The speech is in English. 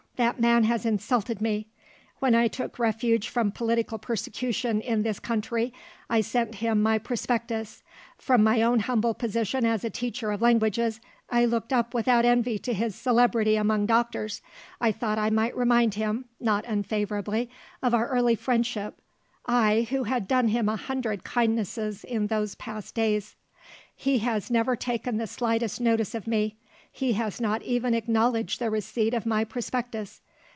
"That man has insulted me. When I took refuge from political persecution in this country, I sent him my prospectus. From my own humble position as a teacher of languages, I looked up without envy to his celebrity among doctors; I thought I might remind him, not unfavourably, of our early friendship I, who had done him a hundred kindnesses in those past days. He has never taken the slightest notice of me; he has not even acknowledged the receipt of my prospectus.